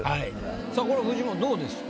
さあこれフジモンどうですか？